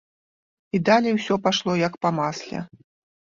І далей усё пайшло, як па масле.